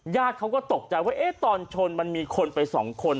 ญาติเขาก็ตกใจว่าตอนชนมันมีคนไปสองคน